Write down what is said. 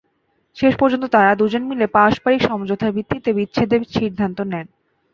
শেষ পর্যন্ত তাঁরা দুজন মিলে পারস্পরিক সমঝোতার ভিত্তিতে বিচ্ছেদের সিদ্ধান্ত নেন।